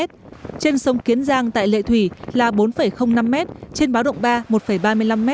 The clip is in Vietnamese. trên sông kiến giang tại lệ thủy là bốn năm m trên báo động ba một ba mươi năm m